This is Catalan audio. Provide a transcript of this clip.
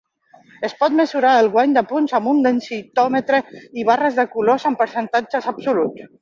Es pot mesurar el guany de punts amb un densitòmetre i barres de colors en percentatges absoluts.